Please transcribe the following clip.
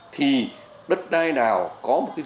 thì đất đai nào có một kế hoạch